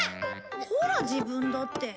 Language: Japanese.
ほら自分だって。